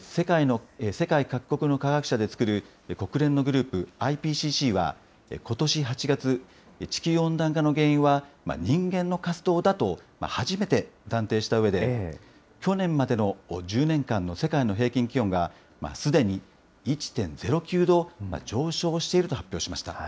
世界各国の科学者で作る国連のグループ、ＩＰＣＣは、ことし８月、地球温暖化の原因は人間の活動だと初めて断定したうえで、去年までの１０年間の世界の平均気温がすでに１．０９度上昇していると発表しました。